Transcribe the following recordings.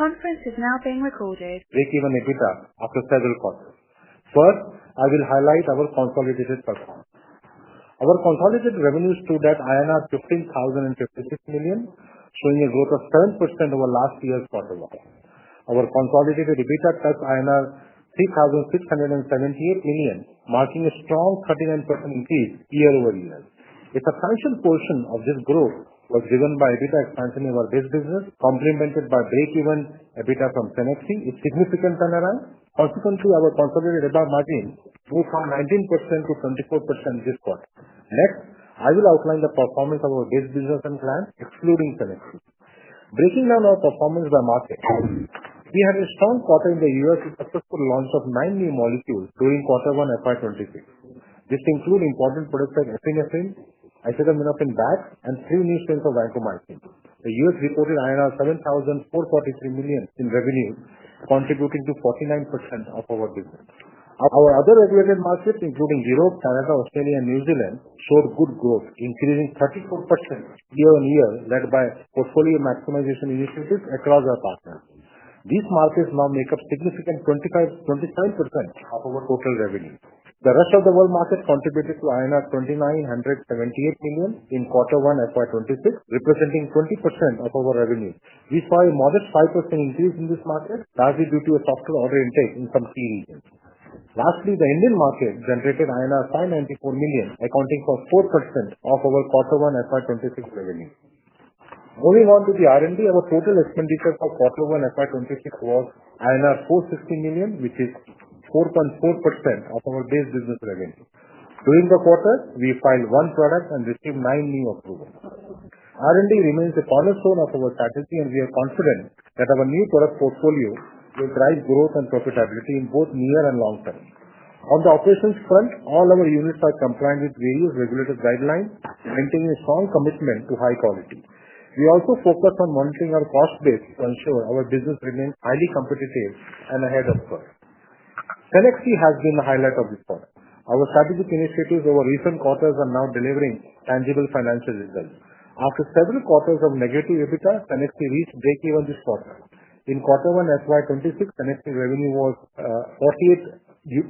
Conference is now being recorded. Receive an EBITDA after federal costs. First, I will highlight our consolidated performance. Our consolidated revenues stood at 15,056 million, showing a growth of 7% over last year's quarter one. Our consolidated EBITDA took INR 3,678 million, marking a strong 39% increase year-over-year. A partial portion of this growth was driven by EBITDA expansion over this business, complemented by break-even EBITDA from Cenexi, its significant turnaround. Consequently, our consolidated EBITDA margin grew from 19%-24% this quarter. Next, I will outline the performance of our base business and plans, excluding Cenexi. Breaking down our performance by market, we had a strong quarter in the U.S. with successful launch of nine new molecules during quarter one FY 2026. This included important products like Epinephrine, Acetaminophen batch, and three new strengths of Vancomycin. The U.S. reported INR 7,443 million in revenue, contributing to 49% of our business. Our other regulated markets, including Europe, Canada, Australia, and New Zealand, showed good growth, increasing 34% year-on-year, led by portfolio maximization initiatives across our partners. These markets now make up a significant 25%-27% of our total revenue. The rest of the world market contributed to INR 2,978 million in quarter one FY 2026, representing 20% of our revenues. Despite a modest 5% increase in these markets, that's due to a softer order intake in some key regions. Lastly, the Indian market generated INR 594 million, accounting for 4% of our quarter one FY 2026 revenue. Moving on to the R&D, our total expenditures for quarter one FY 2026 were INR 460 million, which is 4.4% of our base business revenue. During the quarter, we filed one product and received nine new approvals. R&D remains a cornerstone of our strategy, and we are confident that our new product portfolio will drive growth and profitability in both near and long term. On the operations front, all our units are compliant with various regulatory guidelines, maintaining a strong commitment to high quality. We also focus on monitoring our cost base to ensure our business remains highly competitive and ahead of the curve. Cenexi has been the highlight of this quarter. Our strategic initiatives over recent quarters are now delivering tangible financial results. After several quarters of negative EBITDA, Cenexi reached break-even this quarter. In quarter one FY 26, Synapse's revenue was 48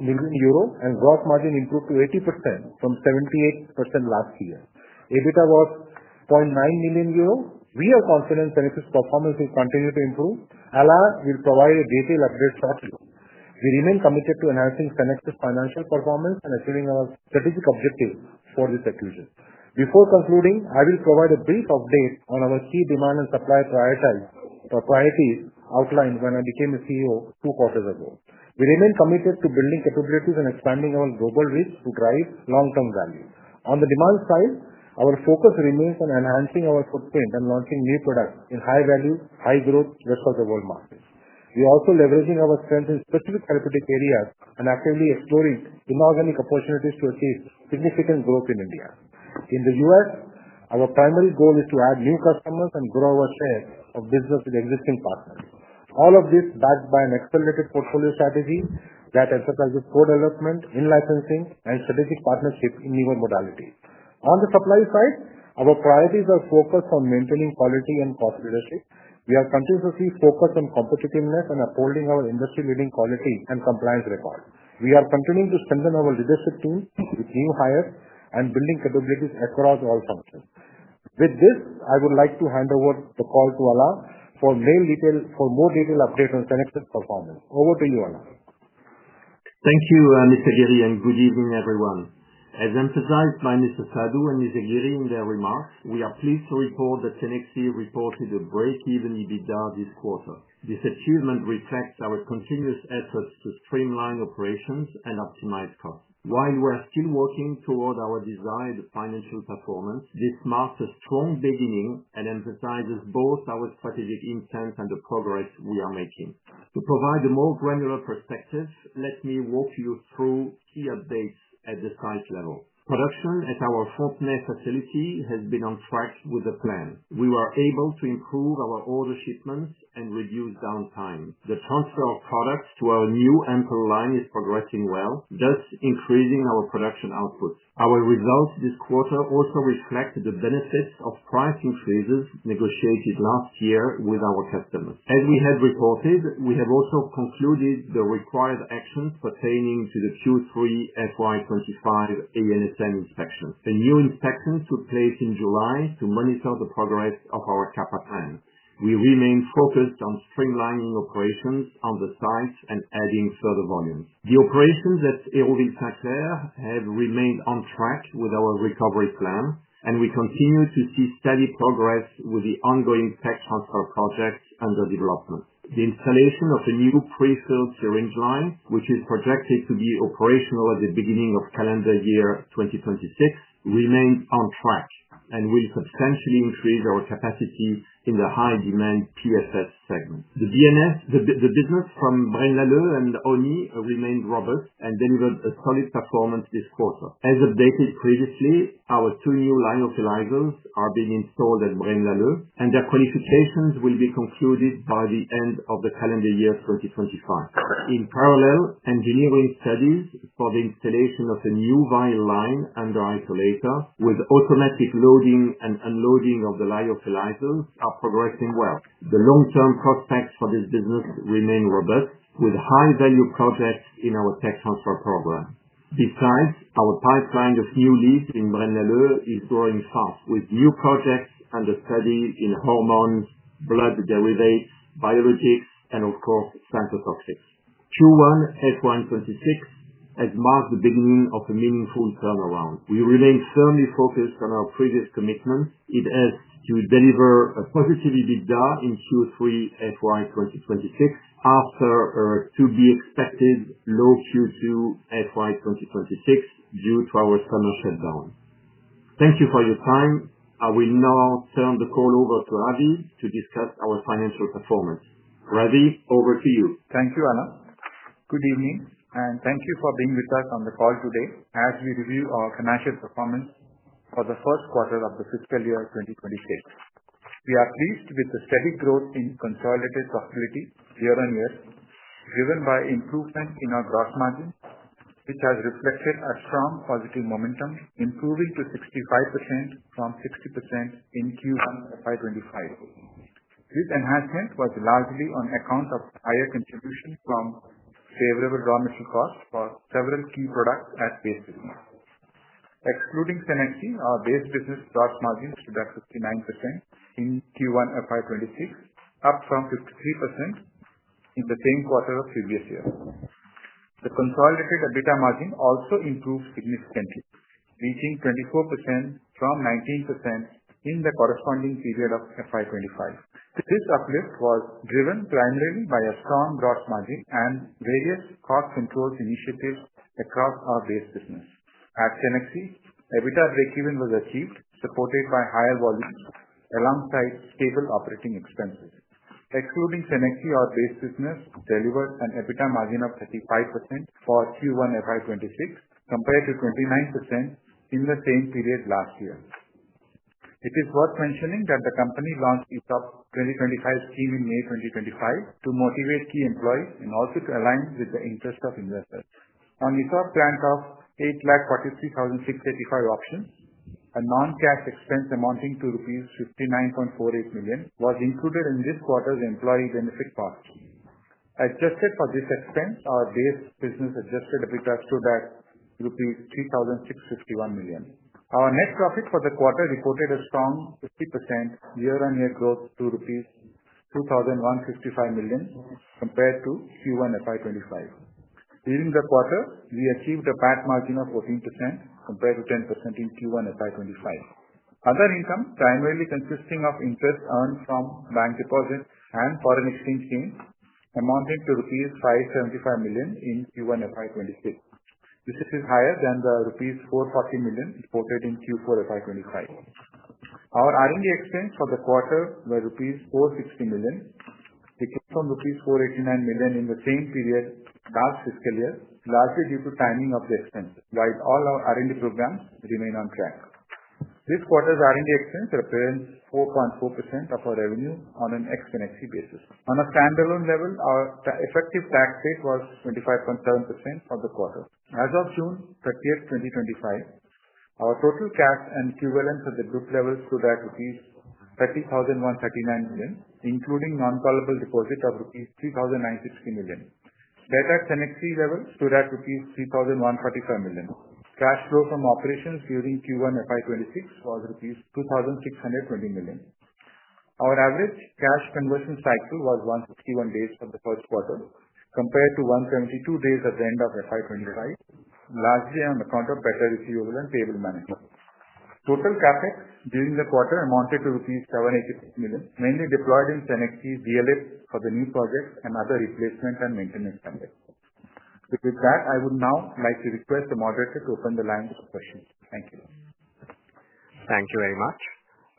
million euro and gross margin improved to 80% from 78% last year. EBITDA was 0.9 million euro. We are confident Synapse's performance will continue to improve. Alain will provide a detailed update shortly. We remain committed to enhancing Synapse's financial performance and assuming our strategic objectives for this acquisition. Before concluding, I will provide a brief update on our key demand and supply priorities outlined when I became CEO two quarters ago. We remain committed to building capabilities and expanding our global reach to drive long-term value. On the demand side, our focus remains on enhancing our footprint and launching new products in high-value, high-growth, Rest of World markets. We are also leveraging our strengths in specific therapeutic areas and actively exploring demographic opportunities to achieve significant growth in India. In the U.S., our primary goal is to add new customers and gRoW our share of business with existing partners. All of this is backed by an accelerated portfolio strategy that emphasizes core development in licensing and strategic partnership in newer modalities. On the supply side, our priorities are focused on maintaining quality and cost literacy. We are continuously focused on competitiveness and upholding our industry-leading quality and compliance records. We are continuing to strengthen our leadership tools with new hires and building capabilities across all functions. With this, I would like to hand over the call to Alain for more detailed updates on Synapse's performance. Over to you, Alain. Thank you, Mr. Giri, and good evening, everyone. As emphasized by Mr. Sadu and Mr. Giri in their remarks, we are pleased to report that Cenexi reported a break-even EBITDA this quarter. This achievement reflects our continuous efforts to streamline operations and optimize costs. While we are still working toward our desired financial performance, this marks a strong beginning and emphasizes both our strategic intent and the progress we are making. To provide a more granular perspective, let me walk you through key updates at the site level. Production at our Fontenay facility has been on track with the plan. We were able to improve our order shipments and reduce downtime. The transfer of products to our new ampoule line is progressing well, thus increasing our production output. Our results this quarter also reflect the benefits of price increases negotiated last year with our customers. As we had reported, we have also concluded the required actions pertaining to the Q3 FY 2025 ANSM inspections. A new inspection took place in July to monitor the progress of our CAPA plan. We remain focused on streamlining operations on the site and adding further volume. The operations at Eaubonne have remained on track with our recovery plan, and we continue to see steady progress with the ongoing tech transfer projects under development. The installation of a new pre-filled syringe line, which is projected to be operational at the beginning of calendar year 2026, remains on track and will substantially increase our capacity in the high-demand CDMO segment. The business from BrainLalu and ONI remained robust and delivered a solid performance this quarter. As updated previously, our two new line utilizers are being installed at BrainLalu, and their qualifications will be concluded by the end of the calendar year 2025. In parallel, engineering studies for the installation of a new vial line under isolator with automatic loading and unloading of the line utilizers are progressing well. The long-term prospects for this business remain robust, with high-value projects in our tech transfer program. Besides, our pipeline of new leads in BrainLalu is gRoWing fast, with new projects under study in hormones, blood derivatives, biologics, and of course, cytotoxics. Q1 FY 2026 has marked the beginning of a meaningful turnaround. We remain firmly focused on our previous commitment. It is to deliver a positive EBITDA in Q3 FY 2026 after a to-be-expected low Q2 FY 2026 due to our thermal shutdown. Thank you for your time. I will now turn the call over to Ravi to discuss our financial performance. Ravi, over to you. Thank you, Alain. Good evening, and thank you for being with us on the call today as we review our commercial performance for the first quarter of the fiscal year 2026. We are pleased with the steady growth in consolidated profitability year-on-year, driven by improvement in our gross margins, which has reflected a strong positive momentum, improving to 65% from 60% in Q1 FY25. This enhancement was largely on account of higher contributions from favorable raw material costs for several key products as base business. Excluding Cenexi, our base business gross margins stood at 59% in Q1 FY26, up from 53% in the same quarter of previous year. The consolidated EBITDA margin also improved significantly, reaching 24% from 19% in the corresponding period of FY 25. This uplift was driven primarily by a strong gross margin and various cost control initiatives across our base business. At Cenexi, EBITDA break-even was achieved, supported by higher volumes alongside stable operating expenses. Excluding Cenexi, our base business delivered an EBITDA margin of 35% for Q1 FY 26, compared to 29% in the same period last year. It is worth mentioning that the company launched ESOP 2025 scheme in May 2025 to motivate key employees and also to align with the interests of investors. On ESOP grant of 843,685 options, a non-cash expense amounting to rupees 59.48 million was included in this quarter's employee benefit cost. Adjusted for this expense, our base business adjusted EBITDA stood at rupees 3,661 million. Our net profit for the quarter reported a strong 50% year-on-year growth to rupees 2,155 million compared to Q1 FY 25. During the quarter, we achieved a PAT margin of 14% compared to 10% in Q1 FY25. Other income, primarily consisting of interest earned from bank deposits and foreign exchange gains, amounted to rupees 575 million in Q1 FY26. This is higher than the rupees 440 million reported in Q4 FY25. Our R&D expense for the quarter was rupees 460 million, decreased from rupees 489 million in the same period last fiscal year, largely due to timing of the expense, while all our R&D programs remain on track. This quarter's R&D expense represents 4.4% of our revenue on an ex-Cenexi basis. On a standalone level, our effective tax rate was 25.7% for the quarter. As of June 30, 2025, our total cash and equivalents at the group level stood at rupees 30,139 million, including non-callable deposits of INR 3,960 million. Debt at Cenexi level stood at rupees 3,145 million. Cash flow from operations during Q1 FY 26 was rupees 2,620 million. Our average cash conversion cycle was 161 days for the first quarter, compared to 172 days at the end of FY 25, largely on account of better receivable and payable management. Total CapEx during the quarter amounted to rupees 786 million, mainly deployed in Cenexi's DLF for the new projects and other replacement and maintenance standards. With that, I would now like to request the moderator to open the line for questions. Thank you. Thank you very much.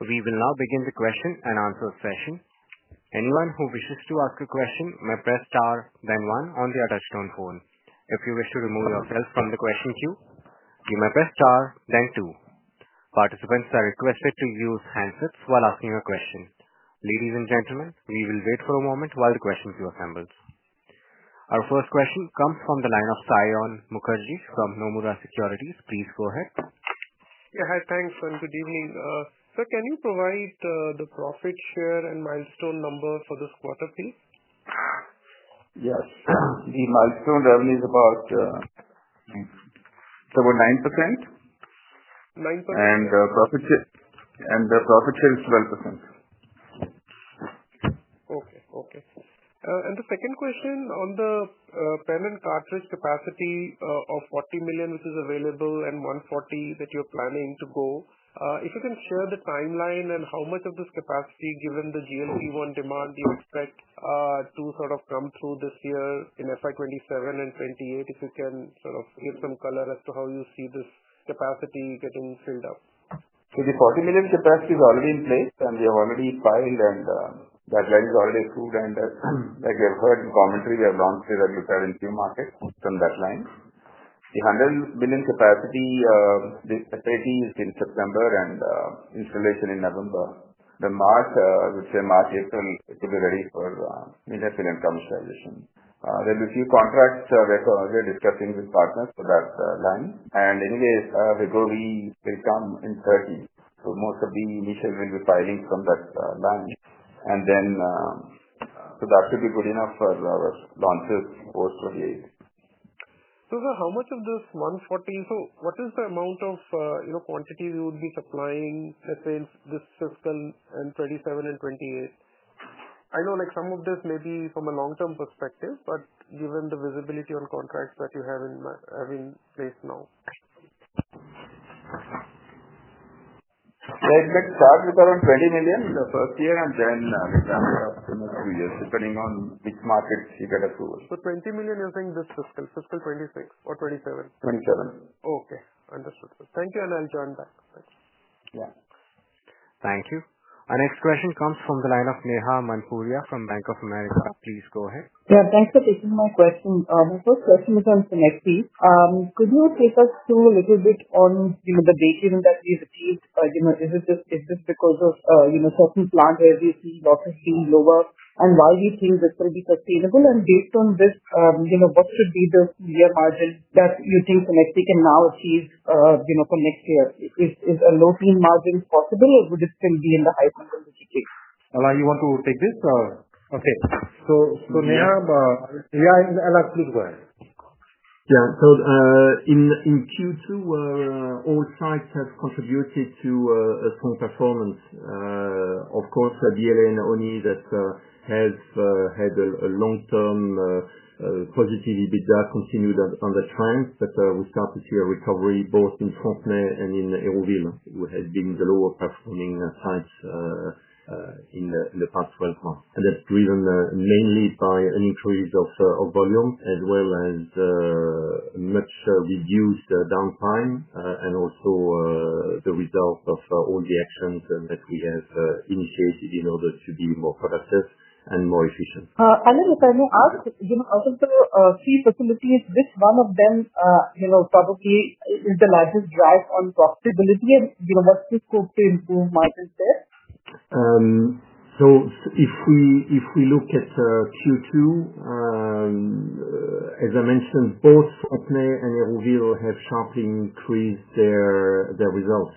We will now begin the question and answer session. Anyone who wishes to ask a question may press star, then one on the attached phone. If you wish to remove yourself from the question queue, you may press star, then two. Participants are requested to use handsets while asking a question. Ladies and gentlemen, we will wait for a moment while the questions are assembled. Our first question comes from the line of Saion MU.K.herjee from Nomura Securities. Please go ahead. Yeah, hi. Thanks, and good evening. Sir, can you provide the profit share and milestone number for this quarter, please? Yes, the milestone revenue is about 9%. 9%. The profit share is 12%. Okay. The second question on the pre-filled syringe cartridge capacity of 40 million units, which is available, and 140 million units that you're planning to go. If you can share the timeline and how much of this capacity, given the GLP-1 demand, you expect to sort of come through this year in FY 27 and FY 28, if you can sort of give some color as to how you see this capacity getting filled up. The 40 million capacity is already in place, and we have already filed, and the deadline is already approved. As you have heard in the commentary, we have launched it in a few markets on deadlines. The 100 million capacity is expected in September and installation in November. The mark, which is March 8th, is ready for investment and commercialization. There are a few contracts we're discussing with partners for that line. Anyways, we're going to be in Turkey. Most of the initiatives will be filing from that line, and that could be good enough for our launches post-COVID. Sir, how much of this 140 million? What is the amount of, you know, quantity we would be supplying, let's say, in this fiscal and 2027 and 2028? I know like some of this may be from a long-term perspective, but given the visibility on contracts that you have in place now. Right. Next, we got on 20 million in the first year, and then we've got up to the next few years, depending on which markets you get approved. 20 million you're saying this fiscal, fiscal 2026 or 2027? 27. Okay. Understood. Thank you, I'll join that. Yeah. Thank you. Our next question comes from the line of Neha Manpurya from Bank of America. Please go ahead. Yeah, thanks, sir. This is my question. My first question is on Synapse. Could you take us through a little bit on the break-even that we've achieved? Is this because of certain plans as you see lots of huge lower, and why do you think this will be sustainable? Based on this, you know, what should be the margin that you think Synapse can now achieve for next year? Is a low-fee margin possible, or would it still be in the higher margin? Alain, you want to take this? Okay. Neha, I'll ask you the question. Yeah. In Q2, all sites have contributed to a strong performance. Of course, DLN, ONI that has had a long-term positive EBITDA continued on the trends, but we started to see a recovery both in Fontenay and in Eaubonne, which have been the lower performing sites in the past 12 months. That's driven mainly by an increase of volume as well as a much reduced downtime and also the result of all the actions that we have initiated in order to be more productive and more efficient. We can ask, you know, out of the few facilities, which one of them, you know, probably is the largest driver on profitability and what's the scope to improve margin there? If we look at Q2, as I mentioned, both Fontenay and Eaubonne have sharply increased their results.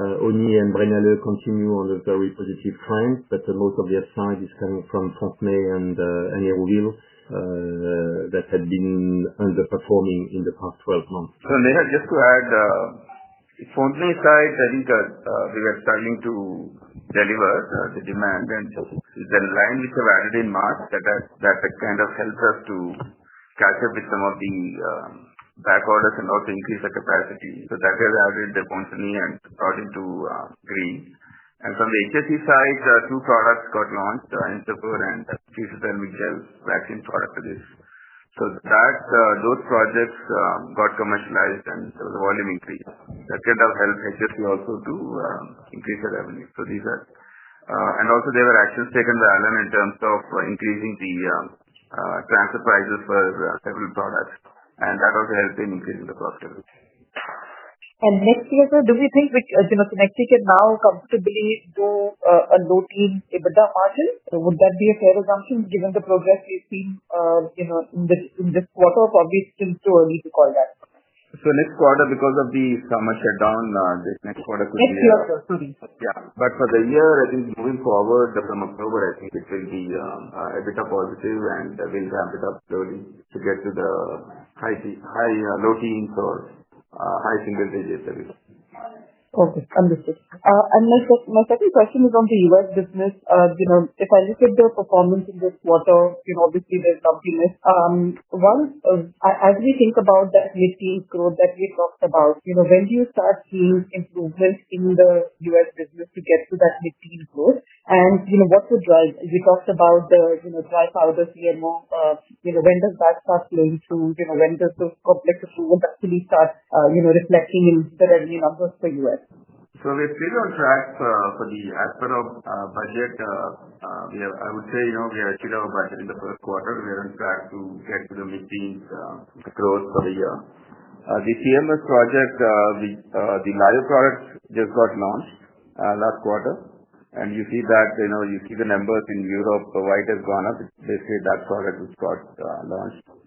ONI and BrainLalu continue on a very positive trend, but most of their side is coming from Fontenay and Eaubonne that had been underperforming in the past 12 months. Neha, just to add, if only sites that we are starting to deliver to demand, and the line we survived in March, that kind of helps us to catch up with some of the back orders and also increase the capacity. That has added the company and brought into screen. From the HSE side, two products got launched, Interpur and Kishida and Migdel, vaccine product release. Those projects got commercialized and there was a volume increase. That kind of helped HSE also to increase their revenue. There were actions taken by Alain in terms of increasing the transfer prices for several products, and that also helped in increasing the profitability. Next year, sir, do we think, you know, Synapse can now comfortably do a low-fee EBITDA margin? Would that be a fair assumption given the progress we've seen in this quarter, or probably it's too early to call that. The next quarter, because of the summer shutdown, this next quarter could be a low fee. Next year, sir, to reach. For the year, I think moving forward from October, I think it will be a bit positive, and we'll ramp it up slowly to get to the high low teens or high single digits. Okay. Understood. My second question is on the U.S. business. If I look at the performance in this quarter, obviously, there's something else. As we think about that mid-teen growth that we talked about, when do you start seeing improvements in the U.S. business to get to that mid-teen growth? What's the drive? You talked about the dry powders here and more. When does that start playing through? When does this complex approval actually start reflecting in the revenue numbers for the U.S.? We're still on track for the admin budget. Yeah, I would say, you know, we are achieving our budget in the first quarter. We are on track to get to the mid-teen growth for the year. The CMS project, the Nile product just got launched last quarter. You see that, you know, you see the numbers in Europe, why it has gone up. They say that product was got launched.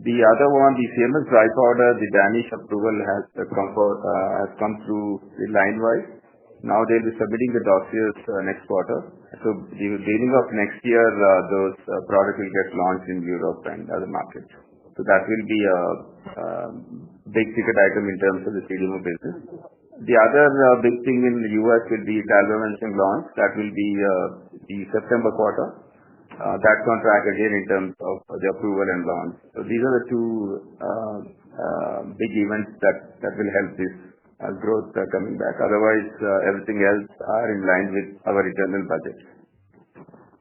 The other one, the CMS dry powder, the Danish approval has come through line-wise. Now they'll be submitting the dossiers next quarter. The beginning of next year, those products will get launched in Europe and other markets. That will be a big ticket item in terms of the CDMO business. The other big thing in the U.S. will be dalbavancin launch. That will be the September quarter. That's going to track a year in terms of the approval and launch. These are the two big events that will help this growth coming back. Otherwise, everything else is in line with our internal budget.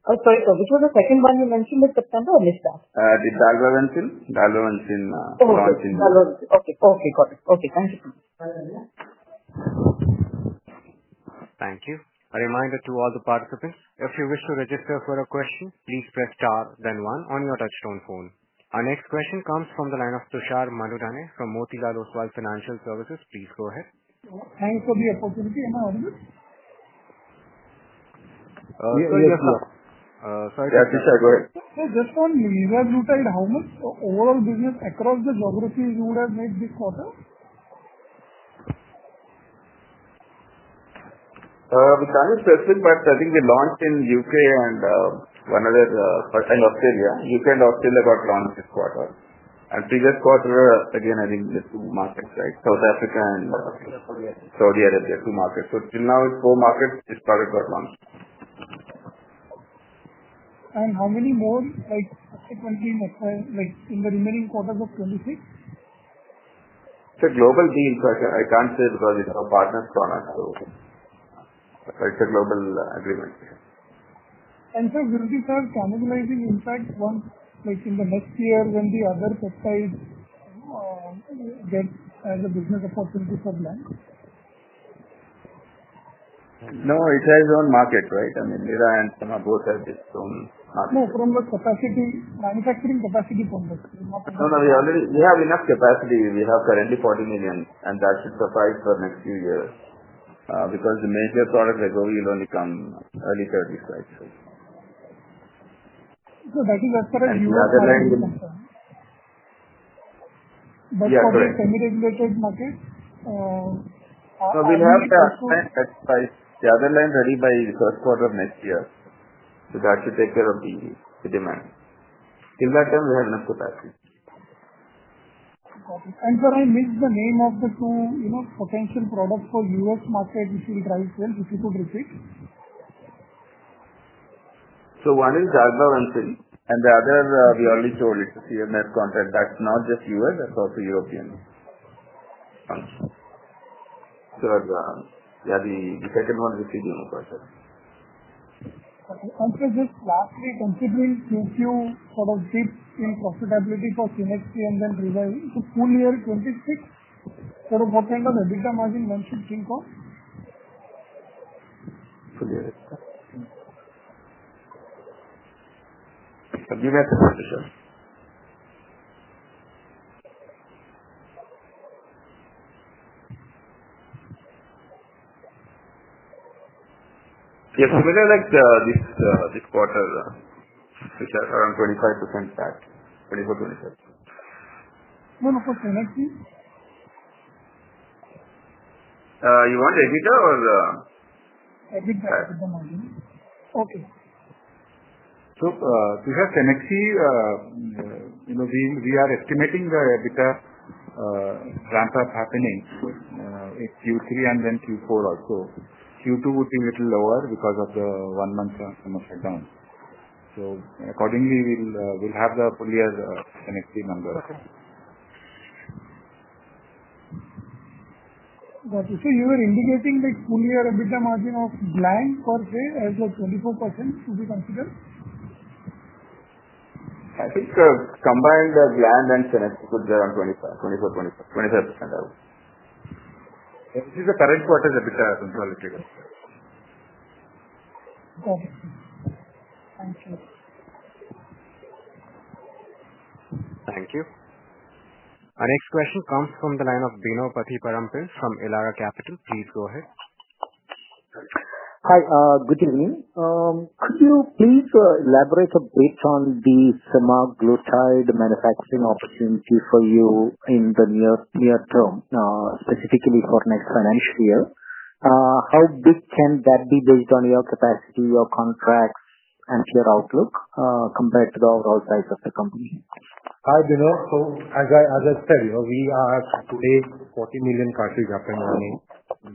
I'm sorry, which was the second one you mentioned in September or listed? The Eribulin. Eribulin launch in. Okay. Okay. Got it. Okay. Thank you. Thank you. A reminder to all the participants, if you wish to register for a question, please press star, then one on your touch-tone phone. Our next question comes from the line of Tushar Madudane from Motilal Oswal Financial Services. Please go ahead. Thank you. Thanks for the opportunity. Any other? Sorry. Yeah, Tushar, go ahead. Just for me, we have retailed, how much overall business across the geography you would have made this quarter? We've done it in Switzerland, but I think we launched in the U.K. and one other part in Australia. U.K. and Australia got launched this quarter. Previous quarter, again, I think the two markets, right? South Africa and Saudi Arabia, two markets. It's now four markets. It started with one. How many more? I can't see in the remaining quarters of 2026? I can't say because it's our partner's product. It's a global agreement. Sir, you're just formalizing insights once, like in the next year, when the other subsidiaries get as a business opportunity for them? No, it has its own markets, right? I mean, Liraglutide and Semaglutide both have its own markets. No, from the manufacturing capacity for this. No, we already have enough capacity. We have currently 40 million, and that should suffice for the next few years because the major product is going to only come early 2030s, right? That is after the other line. For the semi-regulated market? We'll have that price. The other line is ready by the first quarter of next year. That should take care of the demand. Till that time, we have enough capacity. Got it. Sir, I missed the name of the, you know, potential products for the U.S. market which will drive them if you could repeat. One is dalbavancin, and the other we already showed is the CMS contract. That's not just US. That's also European. The second one is a CDMO for sure. Okay. This last week, once again, Q2 sort of dip in profitability for Synapse and then Cenexi. Full year 2026, sort of what kind of EBITDA margin one should think of? Give me a question, sir. Yes, I mean, I like this quarter's future around 25% stack. Any hope for the future? For Synapse? You want EBITDA or? EBITDA. EBITDA margin. Okay. We are estimating the EBITDA ramp-up happening in Q3 and then Q4 also. Q2 would be a little lower because of the one-month summer shutdown. Accordingly, we'll have the full year EBITDA number. Okay. You said you were indicating the full year EBITDA margin of Gland Pharma as the 24% to be considered? I think combined, the Gland and Synapse puts around 24%-25%. This is the current quarter's EBITDA totality. Thank you. Our next question comes from the line of Binopati Parampis from Elara Capital. Please go ahead. Hi. Good evening. Could you please elaborate a bit on the Semaglutide manufacturing opportunity for you in the near term, specifically for next financial year? How big can that be based on your capacity, your contracts, and your outlook compared to the overall size of the company? I do not know. As I just tell you, we are today at 40 million cartridges up and running.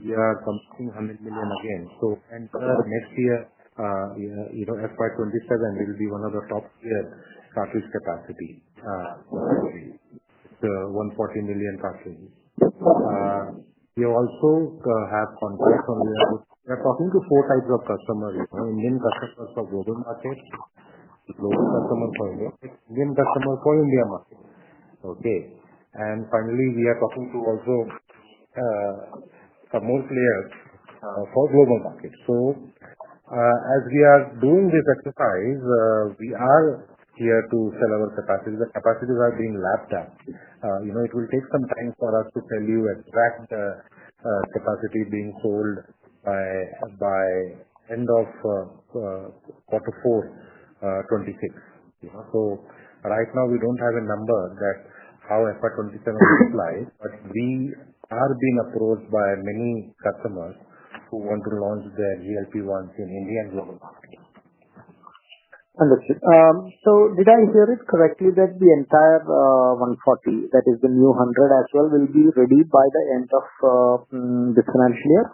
We are coming to 100 million again. Enter next year, you know, FY 2027 will be one of the top year cartridge capacity. It's 140 million cartridges. We also have contracts where we are talking to four types of customers: Indian customers for global markets, global customers, Indian customers for India markets. Finally, we are talking to also some more players for global markets. As we are doing this exercise, we are here to sell our capacity. The capacities are being ramped up. It will take some time for us to tell you exact capacity being sold by the end of quarter four, 2026. Right now, we don't have a number that how FY 2027 will look like, but we are being approached by many customers who want to launch their GLP-1s in India and global markets. Understood. Did I hear it correctly that the entire 140 million, that is the new 100 million as well, will be ready by the end of this financial year,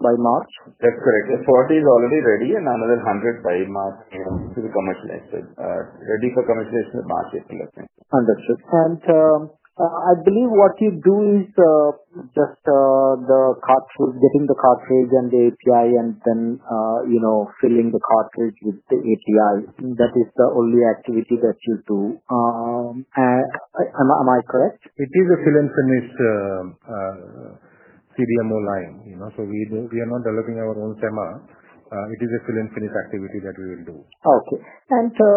by March? That's correct. 40 million is already ready and another 100 million by March. This is a commercialized set, ready for commercialization in the market. Understood. I believe what you do is just the cartridge, getting the cartridge and the API, and then you know filling the cartridge with the API. That is the only activity that you do. Am I correct? It is a fill-finish CDMO line. You know, we are not developing our own Semaglutide. It is a fill-finish activity that we will do. Okay. Sir,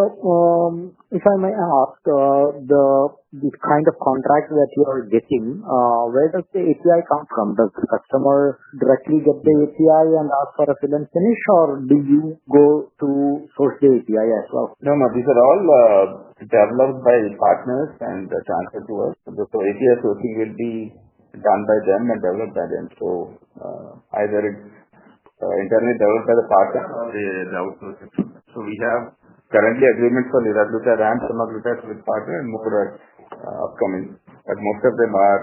if I may ask, the kind of contracts that you are getting, where does the API come from? Does the customer directly get the API and ask for a fill-finish, or do you go to source the API as well? No, no. These are all developed by partners and transferred to us. API sourcing will be done by them and developed by them. Either it's internally developed by the partner or outsourced. We have currently agreements for Liraglutide and Semaglutide with partners and more are upcoming. Most of them are,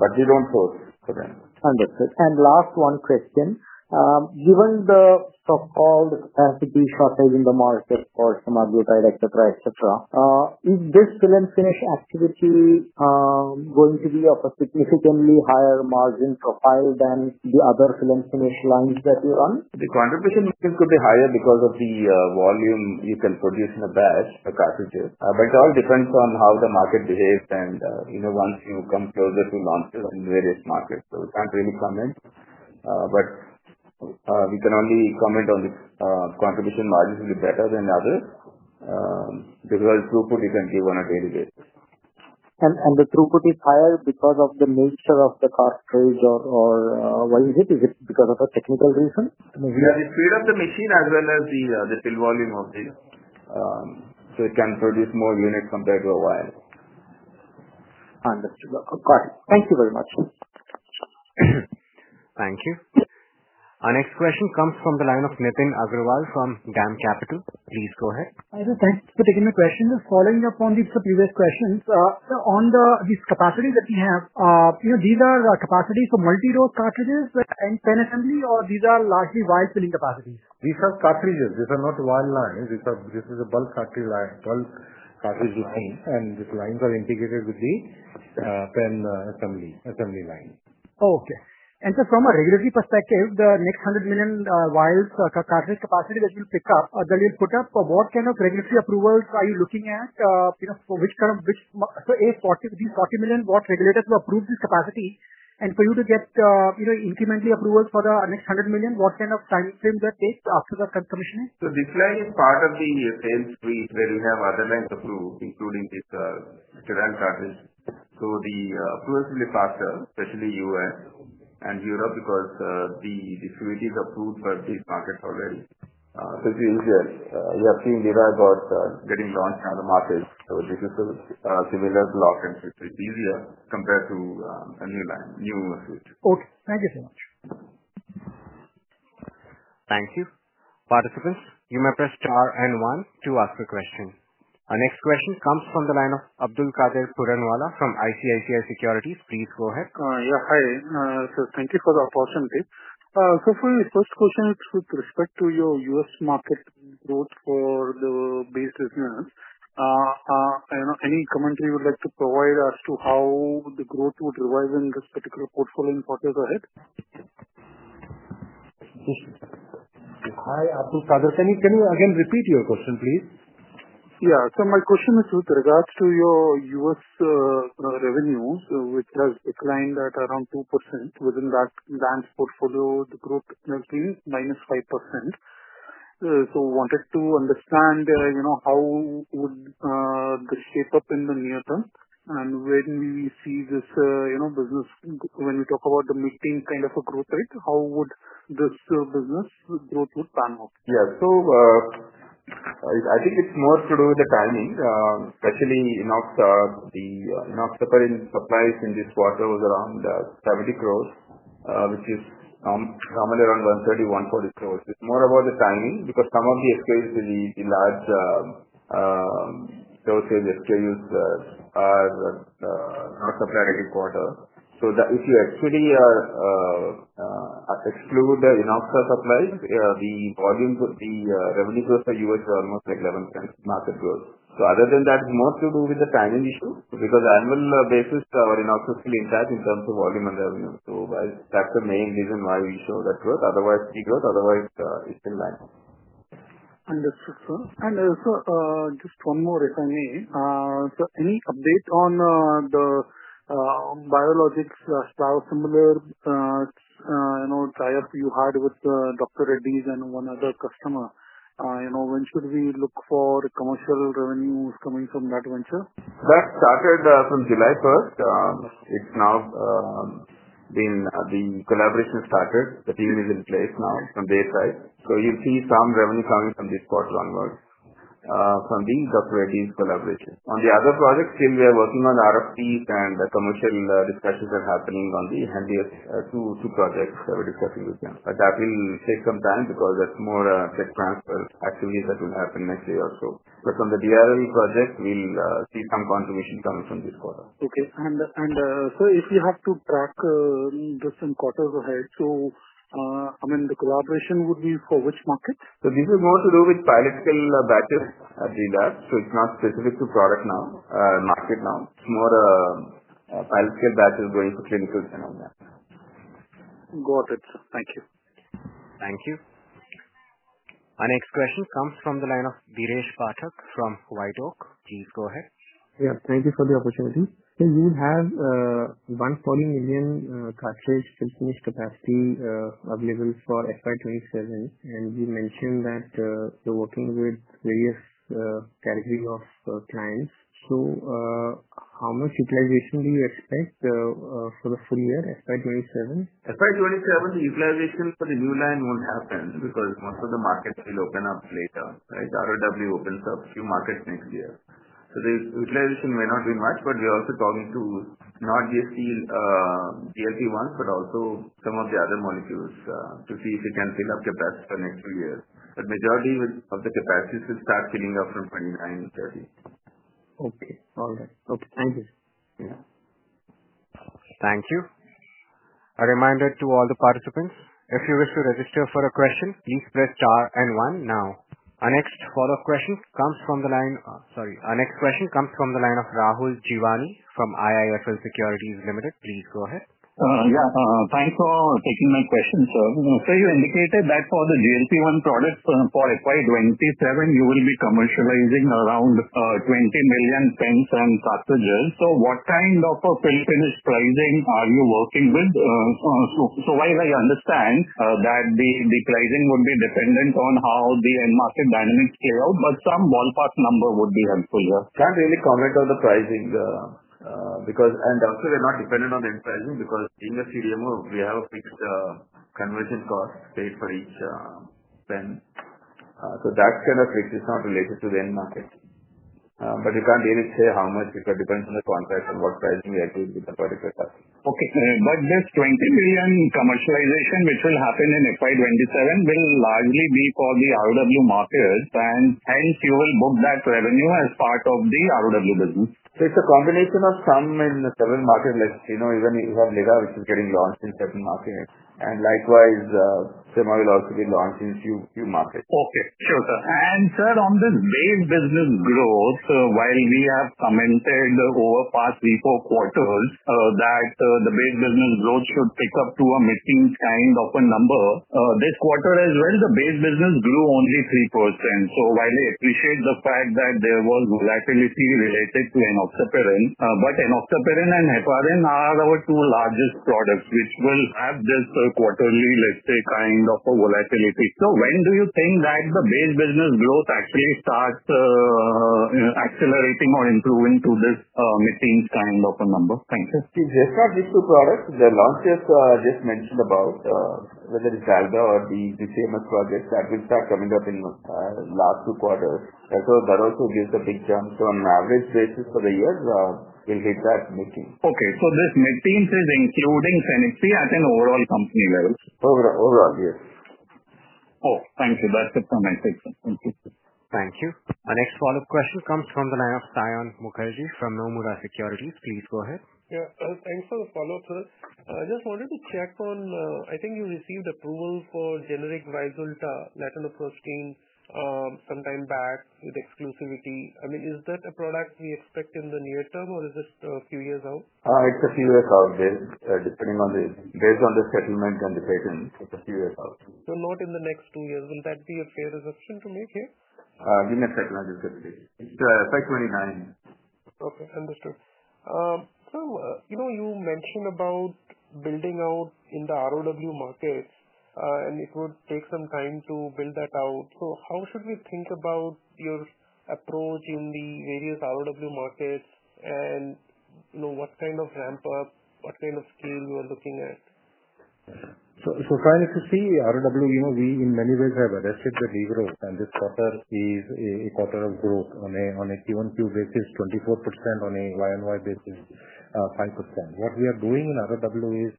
but we don't source for them. Understood. Last one question. Given the so-called FDP shortage in the market for Semaglutide, extra price, etc., is this fill-finish activity going to be of a significantly higher margin profile than the other fill-finish lines that you run? The contribution could be higher because of the volume you can produce in a batch, a cartridge. It all depends on how the market behaves. Once you come closer to launch it in various markets, it's not really common. We can only comment on this. Contribution margins will be better than others because our throughput isn't given on a daily basis. Is the throughput higher because of the nature of the cartridge, or is it because of a technical reason? We are in fear of the machine as well as the fill volume, so it can produce more units compared to a vial. Understood. Got it. Thank you very much. Thank you. Our next question comes from the line of Nitin Agarwal from DAM Capital. Please go ahead. Thank you for taking the question. Following up on these previous questions, on these capacities that we have, you know, these are capacities for multi-RoW cartridges that end pen assembly, or these are largely wire-filling capacities? These are cartridges. These are not vial lines. This is a bulk cartridge line, and these lines are integrated with the pen assembly line. Okay. From a regulatory perspective, the next 100 million wires cartridge capacity that you'll pick up, that you'll put up, for what kind of regulatory approvals are you looking at? For which kind of, which, A, within 40 million, what regulators will approve this capacity? For you to get incrementally approvals for the next 100 million, what kind of time frame that takes after the confirmation? This line is part of the 10th week. They will have other lines approved, including this Gland cartridge. The approvals will be faster, especially in the U.S. and Europe, because the submittal is approved for these markets already. It's easier. We have seen Nira getting launched in other markets. This is a similar block, and it's easier compared to a new line, new submittal. Okay, thank you so much. Thank you. Participants, you may press star and one to ask a question. Our next question comes from the line of Abdulkader Puranwala from ICICI Securities. Please go ahead. Yeah, hi. Thank you for the opportunity. For the first question, with respect to your U.S. market growth for the base business, any commentary you would like to provide as to how the growth would arise in this particular portfolio in four years ahead? Hi, Abdulkader. Can you again repeat your question, please? Yeah. My question is with regards to your U.S. revenues, which has declined at around 2%. Within that branch portfolio, the growth has been -5%. I wanted to understand, you know, how would this shape up in the near term? When we see this business, when we talk about the mid-teen kind of a growth rate, how would this business growth plan work? Yeah. I think it's more to do with the timing. Actually, the inox supply in this quarter was around 70 million, which is somewhere around 1300-1400 million. It's more about the timing because some of the SKUs, the large purchase SKUs, are not supplied every quarter. If you actually exclude the Inox supplies, the revenue growth in the U.S. is almost like 11% market growth. Other than that, it's more to do with the timing issue because on an annual basis our inox is still intact in terms of volume and revenue. That's the main reason why we saw that growth. Otherwise, it's been lacking. Understood, sir. Sir, just one more if only. Any update on the biologics sprouts similar prior to you had with Dr. Reddy’s and one other customer? You know, when should we look for commercial revenues coming from that venture? That started from July 1st. It's now been the collaboration started. The team is in place now from their side. You'll see some revenue coming from this quarter onwards from the Dr. Reddy’s collaboration. On the other projects, still we are working on RFPs and the commercial discussions are happening on the NDS two projects I'm reporting with them. That will take some time because that's more tech transfer activities that will happen next year or so. From the Dr. Reddy’s projects, we'll see some confirmation coming from this quarter. Okay. Sir, if you have to track different quarters ahead, the collaboration would be for which market? This is more to do with pilot scale batches at GLAS. It's not specific to product now, market now. It's more pilot scale batches going for clinicals and all that. Got it. Thank you. Thank you. Our next question comes from the line of Dinesh Bhatak from White Oak. Please go ahead. Thank you for the opportunity. Can you have one 40 million cartridge fill-finish capacity available for FY 2027? You mentioned that you're working with various categories of clients. How much utilization do you expect for the full year FY 2027? FY 2027, the utilization for the new line won't happen because most of the markets will open up later, right? RoW opens up a few markets next year. The utilization may not be much, but we're also talking to not just GLP-1s, but also some of the other molecules to see if we can fill up the capacity for the next few years. The majority of the capacity will start filling up from 2029-2030. Okay. All right. Okay. Thank you. Thank you. A reminder to all the participants, if you wish to register for a question, please press star and one now. Our next question comes from the line of Rahul Jeewani from IIFL Securities Limited. Please go ahead. Yeah. Thanks for taking my question, sir. You indicated that for the GLP-1 products for FY 2027, you will be commercializing around 20 million pens and cartridges. What kind of a fill-finish pricing are you working with? As far as I understand, the pricing would be dependent on how the end market balance came out, but some ballpark number would be helpful. Yeah. Can't really comment on the pricing because, and also, we're not dependent on end pricing because in the CDMO, we have a fixed conversion cost paid for each pen. That kind of fix is not related to the end market. You can't even say how much because it depends on the contracts and what pricing we are doing with the particular customer. Okay. This 20 million pens commercialization, which will happen in FY 2027, will largely be for the RoW markets, and hence you will book that revenue as part of the RoW business. It's a combination of some in the several markets that you know, even you have Nira, which is getting launched in certain markets. Likewise, Sema will also be launched in a few markets. Okay. Sure, sir. On the base business growth, while we have commented over the past three or four quarters that the base business growth should pick up to a mid-teen kind of a number, this quarter as well, the base business grew only 3%. We appreciate the fact that there was volatility related to Enoxaparin, but Enoxaparin and heparin are our two largest products, which will have just a quarterly, let's say, kind of a volatility. When do you think that the base business growth actually starts accelerating or improving to this mid-teen kind of a number? Thanks. It's just that these two products, they're not just mentioned about, whether it's Jalga or the CMS dry powder projects that will start coming up in the last two quarters. That also gives a big jump from average raises for the U.S. We'll hit that mid-team. Okay. Is this mid-team including Synapse at an overall company level? Overall, yes. Oh, thank you. That's it for my question. Thank you. Thank you. Our next follow-up question comes from the line of Saion Mukherjee from Nomura Securities. Please go ahead. Yeah. Thanks for the follow-up, sir. I just wanted to check on, I think you received approval for generic Vyzulta latanoprostene some time back with exclusivity. I mean, is that a product we expect in the near term, or is this a few years out? It's a few years out. Depending on the settlement on the patent, it's a few years out. Not in the next two years. Would that be a fair assumption to make here? I think that's a good thing. It's FY 2029. Okay. Understood. You mentioned about building out in the RoW market, and it would take some time to build that out. How should we think about your approach in the various RoW markets, and what kind of ramp-up, what kind of scale you are looking at? Finally, to see RoW, we in many ways have arrested the rebirth, and this quarter is a quarter of growth on a QoQ basis, 24%, on a YoY basis, 5%. What we are doing in RoW is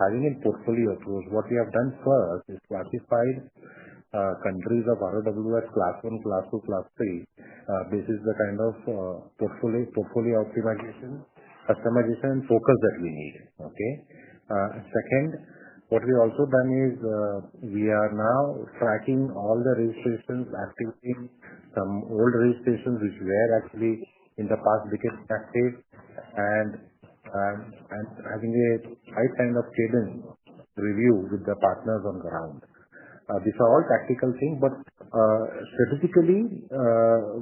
having a portfolio approach. What we have done first is classified countries of RoW as class one, class two, class three. This is the kind of portfolio optimization and focus that we needed. Second, what we've also done is we are now tracking all the registration activity, some old registrations which were actually in the past decades active, and having a high kind of tailored review with the partners on the grounds. These are all tactical things, but strategically,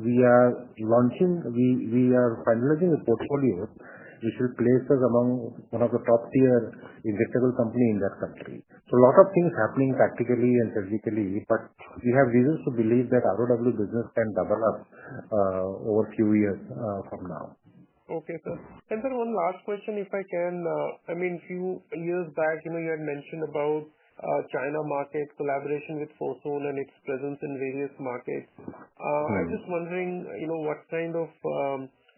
we are launching, we are finalizing a portfolio which will place us among one of the top-tier injectable companies in that country. A lot of things are happening tactically and strategically, but we have reasons to believe that RoW business can double up over a few years from now. Okay, sir. One last question if I can. A few years back, you had mentioned about China market collaboration with Fosun and its presence in various markets. I was just wondering what kind of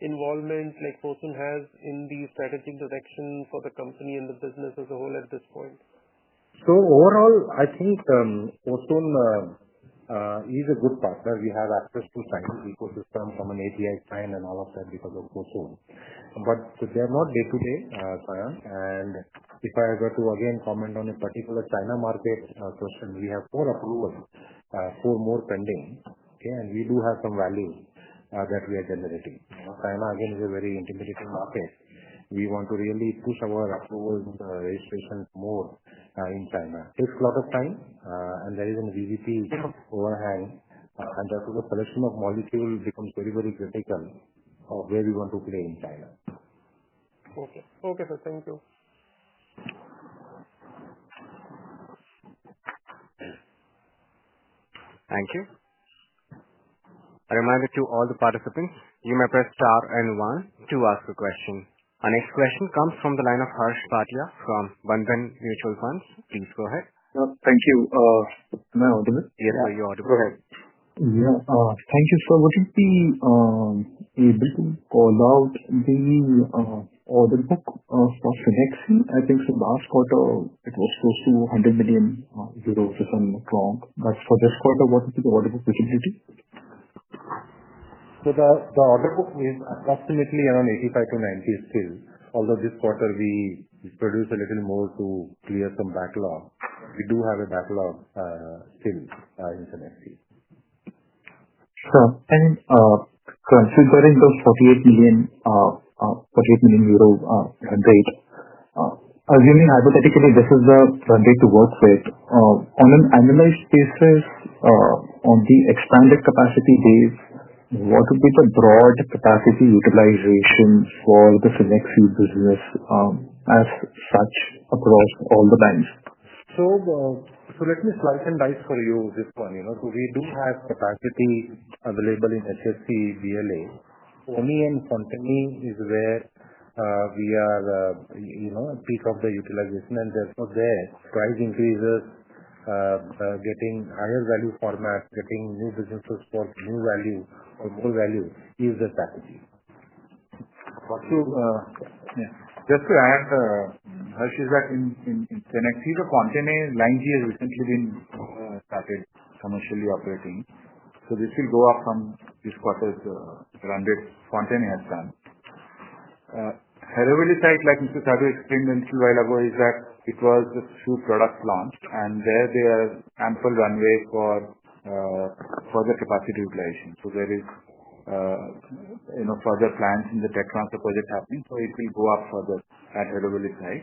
involvement Fosun has in the strategic direction for the company and the business as a whole at this point? Overall, I think Fosun is a good partner. We have access to the entire ecosystem from an API sign and all of that because of Fosun. They're not day-to-day, Alain. If I were to again comment on a particular China market question, we have four approvals, four more pending. We do have some value that we are generating. China, again, is a very intermediate market. We want to really push our approvals and the registrations more in China. It takes a lot of time, and there is a GDP overhang. That's where the production of molecules becomes very, very critical of where we want to play in China. Okay. Okay, sir. Thank you. Thank you. I remind all the participants, you may press star and one to ask a question. Our next question comes from the line of Harish Bhatia from Bandhan Mutual Funds. Please go ahead. Thank you. Am I audible? Yes, sir, you're audible. Thank you, sir. What is the, able to call out the, order of selection? I think the last quarter, it was close to 100 million euros if I'm not wrong. For this quarter, what is the order book? The order book is approximately around 85 million-90 million still. Although this quarter, we produced a little more to clear some backlog, we do have a backlog still in Synapse. Considering the EUR 48 million bandwidth, assuming hypothetically this is the bandwidth to work with, on an annualized basis, on the expanded capacity base, what would be the broad capacity utilization for the Cenexi business, as that's across all the bands? Let me slice and dice for you this one. We do have capacity available in HSC, VLA. ONI and Fontenay is where we are, you know, a piece of the utilization. Therefore, their price increases, getting higher value formats, getting new businesses for new value or more value is the strategy. Just to add, Harish, in Synapse, the Fontenay line here has recently been started commercially operating. This will go up from this quarter to around what Fontenay has done. Eaubonne site, like Mr. Sadu explained a little while ago, is that it was the two products launched, and there are ample runways for further capacity utilization. There are further plans in the tech transfer project happening, so it will go up further at Eaubonne site.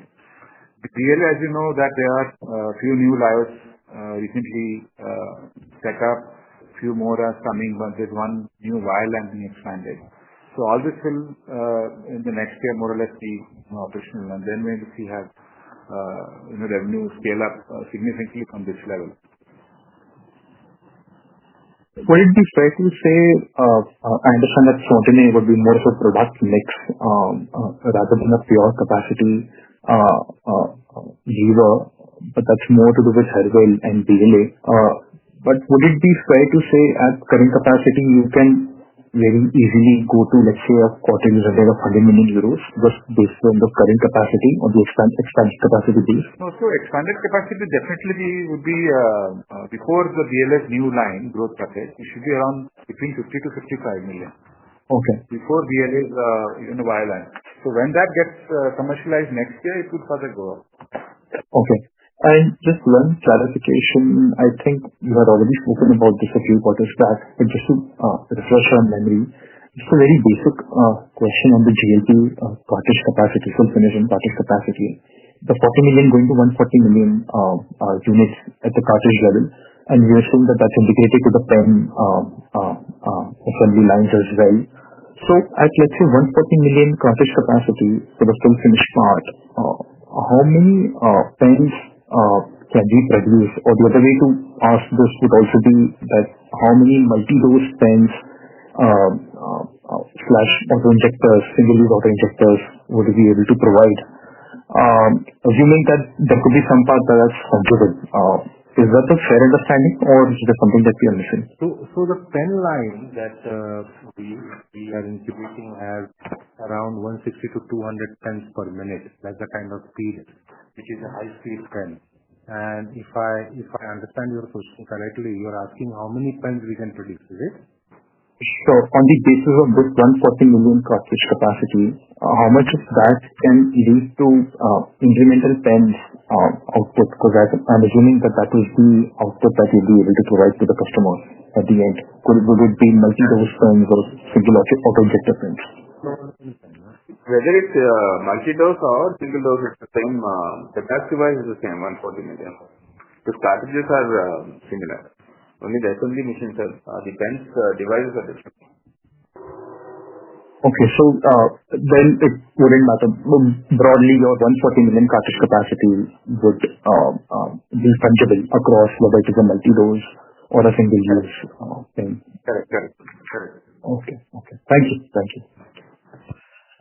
At VLA, as you know, there are a few new layouts recently set up. A few more are coming once there's one new vial and we expand it. All this will, in the next year, more or less be operational. Then we'll see how revenue scales up significantly on this level. What did you try to say? I understand that Fontenay would be more of a product mix, rather than a pure capacity user, but that's more to do with HelloVillage and VLA. Would it be fair to say at current capacity, you can very easily go to next year of 40 million or 100 million euros just based on the current capacity on the expanded capacity base? Expanded capacity definitely would be, before the VLA's new line growth package, it should be around between 50 million-55 million before VLA's wire lines. When that gets commercialized next year, it would further go up. Okay. Just one clarification, I think you had already spoken about this appeal cartridge class. Just to refer from memory, it's a very basic question on the GLP-1 cartridge capacity, fill-finish and cartridge capacity. The 40 million going to 140 million units at the cartridge level. We assume that that's integrated to the pen assembly lines as well. If I get you 140 million cartridge capacity for the fill-finish part, how many pens can we produce? The other way to ask this would also be how many multi-dose pens, slash auto injectors, single-dose auto injectors would we be able to provide, assuming that there could be some part that's complicated. Is that a fair understanding, or is it something that you are missing? The pen line that we are introducing has around 160-200 pens per minute. That's the kind of speed, which is a high-speed pen. If I understand your quote correctly, you're asking how many pens we can produce with it? On the basis of the 140 million cartridge capacity, how much of that can be used to incremental pen output? I'm assuming that that would be output that we'll be able to provide to the customer at the end. Would it be multi-dose pens or single-lot auto injector pens? Whether it's a multi-dose or single-dose, it's the same. Capacity-wise, it's the same 140 million. The strategies are similar. Only the assembly machine sales are the pens. The devices are different. Okay. It wouldn't matter. Broadly, your 140 million cartridge capacity would be fundable across whether it is a multi-dose or a single-use thing. Correct. Correct. Correct. Okay. Thank you. Thank you.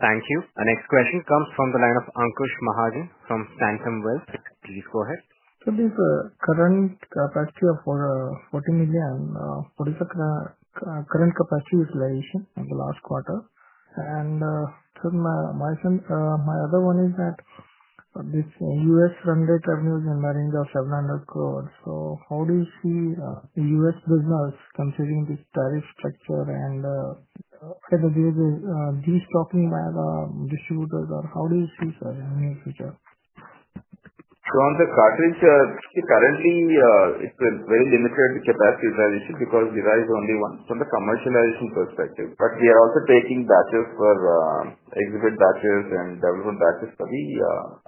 Thank you. Our next question comes from the line of Ankush Mahajan from Sanctum Wealth. Please go ahead. It is a current capacity of over 40 million and 40% current capacity utilization in the last quarter. My other one is that this U.S. runway revenue is in the range of 700 crore. How do you see the U.S. business considering this tariff sector? If there is a gene stocking by the distributors, how do you see, sir, in the near future? On the cartridge, currently, it's a very limited capacity utilization because we rise only one from the commercialization perspective. We are also taking batches for exhibit batches and development batches for the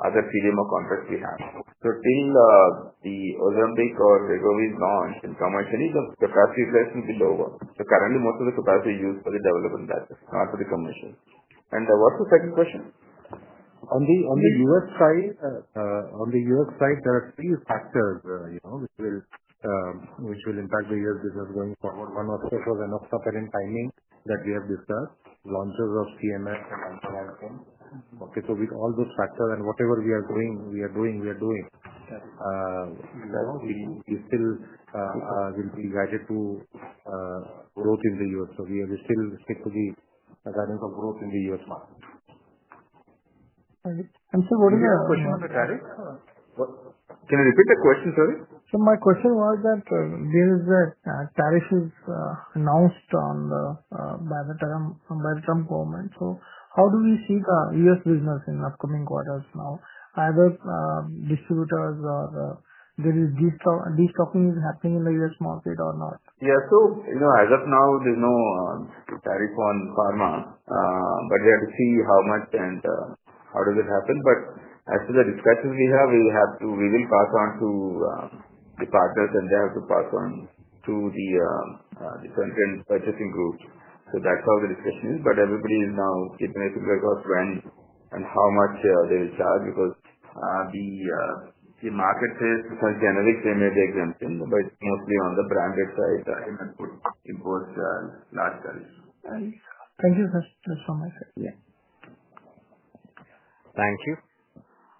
other CDMO contracts we have. The Ozempic or Wegovy launch in commercial, it's a capacity replacement in the lower. Currently, most of the capacity is used for the development batches, not for the commercial. What's the second question? On the US side, there are a few factors which will impact the U.S. business going forward. One of this was Enoxaparin timing that we have discussed, launches of CMS and anthologies. With all those factors and whatever we are doing, we still will be guided to growth in the U.S. We are still sticking to the guidance of growth in the U.S. market. Sir, what is your question on the tariff? Can I repeat the question, sorry? There is a tariff announced from the Trump government. How do we see the U.S. business in the upcoming quarters now? Either distributors or there is gene stocking happening in the U.S. market or not? Yeah. As of now, there's no tariff on pharma. We have to see how much and how it happens. As to the discussions we have, we will pass on to the partners, and they have to pass on to the different purchasing groups. That's how the discussion is. Everybody is now giving feedback of when and how much they will charge because the market says, because generic, they made the exemption, but it's mostly on the branded side in both large countries. Thank you. Thank you, sir, so much. Thank you.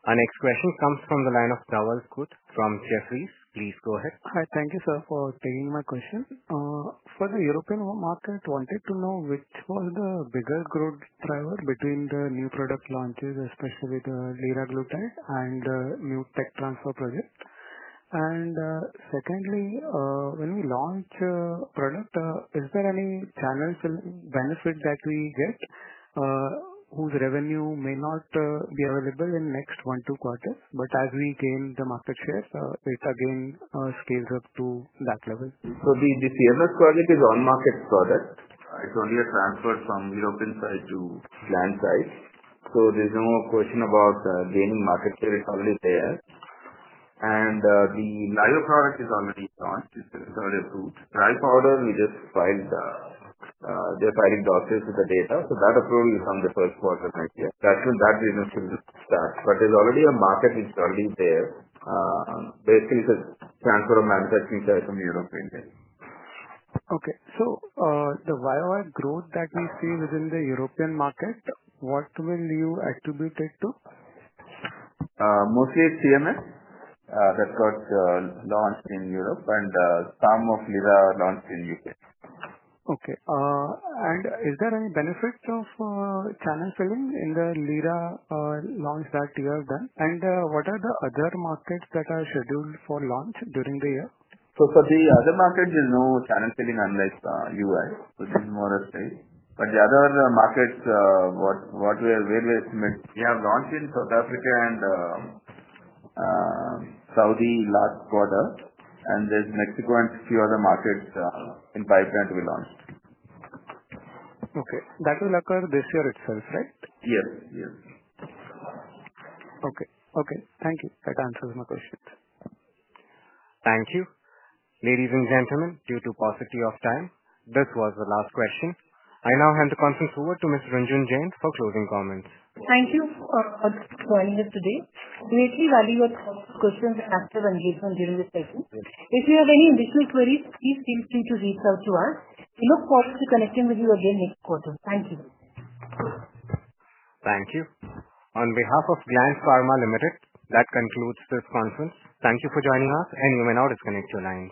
Our next question comes from the line of Dhawal Khut from Jefferies. Please go ahead. Hi. Thank you, sir, for taking my question. For the European market, I wanted to know which was the bigger growth driver between the new product launches, especially the Liraglutide, and the new tech transfer projects. Secondly, when we launch a product, is there any channel benefit that we get whose revenue may not be available in the next one, two quarters? As we gain the market share, it's again scaled up to that level. The CMS project is an on-market product. It's only a transfer from the European side to the Gland side. There's no question about gaining market share. It's already there, and the live product is already launched. It's already approved. Dry powder, we just filed the pilot doses with the data. That approval is in the first quarter next year. That business should start. There's already a market which is already there. There's still a transfer of manufacturing side from Europe and Canada. The VioAct growth that we've seen within the European market, what will you attribute it to? Mostly at CMS dry powder that got launched in Europe and some of Liraglutide launched in the U.K.. Is there any benefits of channel selling in the Lira launch that you have done? What are the other markets that are scheduled for launch during the year? For the other markets, there's no channel selling unless the U.S., which is more of a space. The other markets, where we have launched in South Africa and Saudi last quarter, and there's Mexico and a few other markets in pipeline to be launched. Okay. That will occur this year itself, right? Yes, yes. Okay. Thank you. That answers my question. Thank you. Ladies and gentlemen, due to the paucity of time, this was the last question. I now hand the conference over to Ms. Runjhun Jain for closing comments. Thank you for joining us today. We greatly value your questions and our engagement during this session. If you have any additional queries, please feel free to reach out to us. We look forward to connecting with you again next quarter. Thank you. Thank you. On behalf of Gland Pharma Limited, that concludes this conference. Thank you for joining us, and you may now disconnect your line.